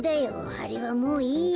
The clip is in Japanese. あれはもういいや。